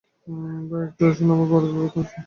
ভাই, একটু আসুন, আমার বড় বিপদ।